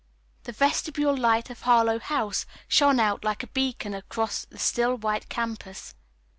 The vestibule light of Harlowe House shone out like a beacon across the still white campus.